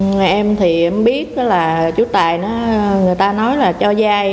người em thì em biết là chú tài người ta nói là cho dai